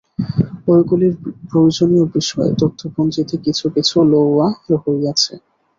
ঐগুলির প্রয়োজনীয় বিষয় তথ্যপঞ্জীতে কিছু কিছু লওয়া হইয়াছে।